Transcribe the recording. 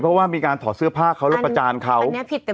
เพราะว่ามีการถอดเสื้อผ้าเขาแล้วประจานเขา